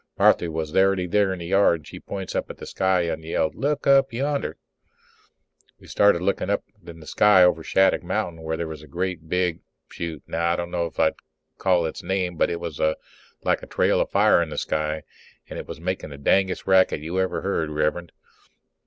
Marthy was already there in the yard and she points up in the sky and yelled, "Look up yander!" We stood looking up at the sky over Shattuck mountain where there was a great big shoot now, I d'no as I can call its name but it was like a trail of fire in the sky, and it was makin' the dangdest racket you ever heard, Rev'rend.